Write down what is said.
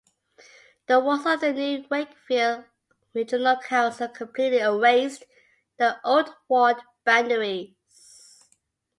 The wards of the new Wakefield Regional Council completely erased the old ward boundaries.